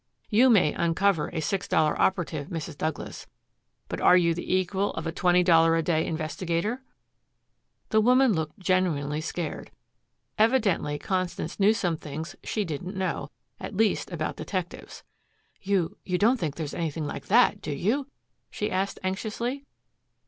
You may uncover a six dollar operative, Mrs. Douglas, but are you the equal of a twenty dollar a day investigator?" The woman looked genuinely scared. Evidently Constance knew some things she didn't know, at least about detectives. "You you don't think there is anything like that, do you?" she asked anxiously.